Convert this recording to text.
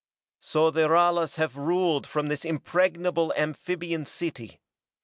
"So the Ralas have ruled from this impregnable amphibian city.